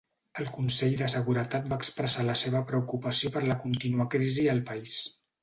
El Consell de Seguretat va expressar la seva preocupació per la contínua crisi al país.